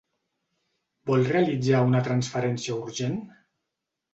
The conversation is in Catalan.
Vol realitzar una transferència urgent?